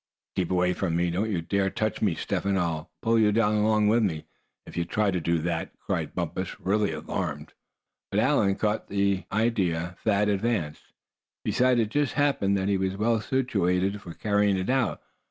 "Keep away from me! Don't you dare touch me, Step Hen! I'll pull you down along with me, if you try to do that," cried Bumpus, really alarmed. But Allan caught the idea Thad advanced. Besides, it just happened that he was well situated for carrying it out.